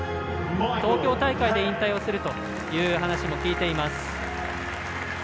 東京大会で引退をするという話も聞いています。